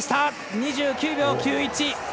２９秒９１！